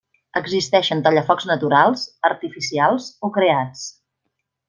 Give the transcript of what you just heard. Existeixen tallafocs naturals, artificials o creats.